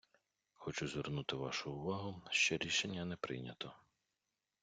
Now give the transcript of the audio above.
Хочу звернути вашу увагу, що рішення не прийнято.